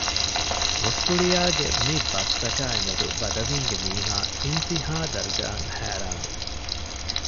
މުސްކުޅިޔާގެ މި ބަސްތަކާއި މެދު ބަދަވީންގެ މީހާ އިންތީހާ ދަރަޖައަށް ހައިރާންވި